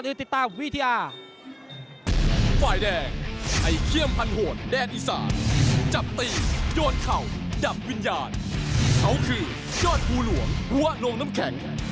เอ้าก่อนอื่นติดตามวิทยา